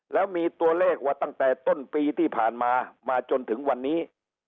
แล้วมีตัวเลขว่าตั้งแต่ต้นปีที่ผ่านมามาจนถึงวันนี้